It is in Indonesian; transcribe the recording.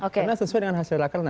karena sesuai dengan hasil rakernas